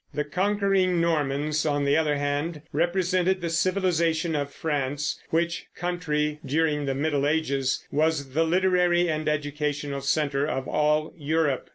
The conquering Normans, on the other hand, represented the civilization of France, which country, during the early Middle Ages, was the literary and educational center of all Europe.